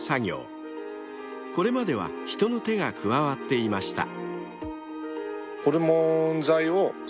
［これまでは人の手が加わっていました］